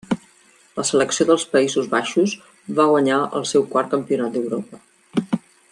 La selecció dels Països Baixos va guanyar el seu quart campionat d'Europa.